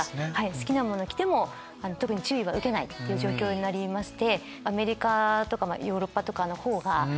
好きなもの着ても注意は受けない状況になりまして。